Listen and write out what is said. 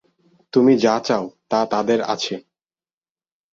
তোমরা যা চাও, তা তাদের আছে।